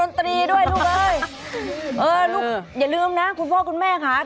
เออลูกเดี๋ยวลืมนะคุณพ่อคุณแม่ค่ะ